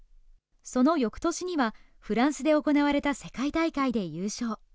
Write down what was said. そのよくとしには、フランスで行われた世界大会で優勝。